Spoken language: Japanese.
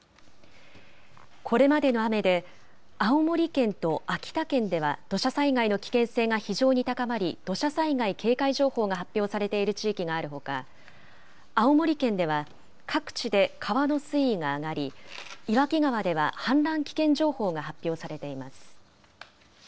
これまでの雨で、青森県と秋田県では土砂災害の危険性が非常に高まり、土砂災害警戒情報が発表されている地域があるほか、青森県では、各地で川の水位が上がり、岩木川では氾濫危険情報が発表されています。